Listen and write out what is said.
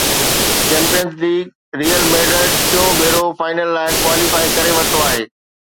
champions league real Madrid ٽيون ڀيرو final لاءِ ڪواليفائي ڪري ورتو آهي